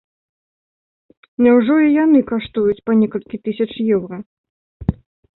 Няўжо і яны каштуюць па некалькі тысяч еўра?